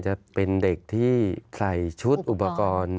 จะเป็นเด็กที่ใส่ชุดอุปกรณ์